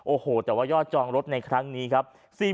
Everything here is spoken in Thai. โอ้โหแต่ว่ายอดจองรถในครั้งนี้ครับ